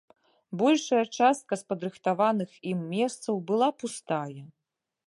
Большая частка з падрыхтаваных ім месцаў была пустая.